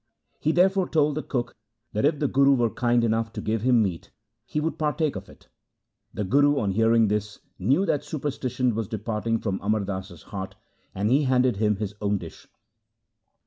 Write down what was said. He therefore told the cook that if the Guru were kind enough to give him meat, he would partake of it. The Guru, on hearing this, knew that superstition was departing from Amar Das's heart, and he handed him his own dish.